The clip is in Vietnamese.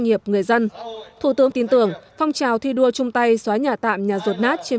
nghiệp người dân thủ tướng tin tưởng phong trào thi đua chung tay xóa nhà tạm nhà rột nát trên